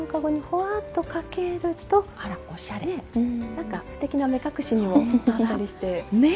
なんかすてきな目隠しにもなったりして。ね！